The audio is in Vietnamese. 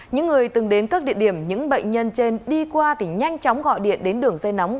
những người từng đến các địa điểm những bệnh nhân trên đi qua thì nhanh chóng gọi điện đến đường dây nóng